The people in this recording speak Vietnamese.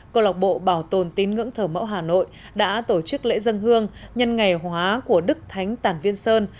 cộng lộc bộ bảo tồn tín ngưỡng thở mẫu hà nội đã tổ chức lễ dân hương nhân ngày hóa của đức thánh tản viên sơn